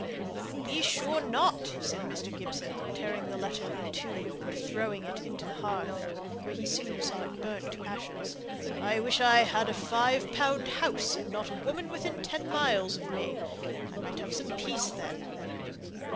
"To be sure not," said Mr. Gibson, tearing the letter in two, and throwing it into the hearth, where he soon saw it burnt to ashes. "I wish I'd a five pound house and not a woman within ten miles of me. I might have some peace then."